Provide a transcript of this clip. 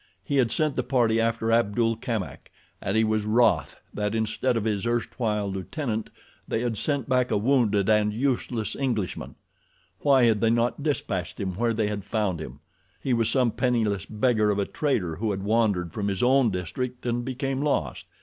He had sent the party after Abdul Kamak, and he was wroth that instead of his erstwhile lieutenant they had sent back a wounded and useless Englishman. Why had they not dispatched him where they had found him? He was some penniless beggar of a trader who had wandered from his own district and became lost.